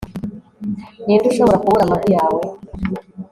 ninde ushobora kubura amavi yawe